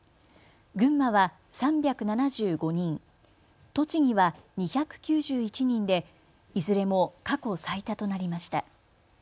群馬は３７５人、栃木は２９１人でいずれも過去最多となりました。